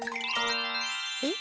えっ？